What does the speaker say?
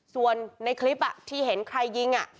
ส่วนในคลิปที่เห็นใครยิง